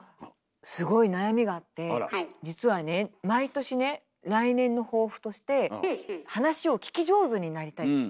すごい悩みがあって実はね毎年ね来年の抱負として「話を聞き上手になりたい」。